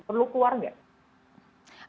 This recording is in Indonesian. perlu keluar gak